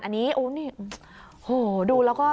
อันนี้โอ้โฮนี่โอ้โฮดูแล้วก็